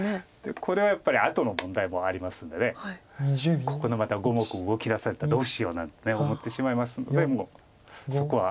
これはやっぱりあとの問題もありますんでここのまた５目動きだされたらどうしようなんて思ってしまいますのでそこは。